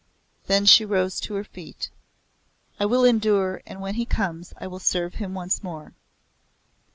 Then she rose to her feet. "I will endure and when he comes I will serve him once more.